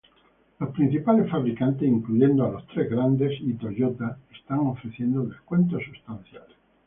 Los principales fabricantes, incluyendo a los Tres Grandes y Toyota, están ofreciendo descuentos sustanciales.